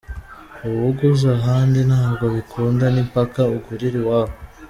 Uwuguze ahandi ntabwo bikunda ni paka ugurire iwabo.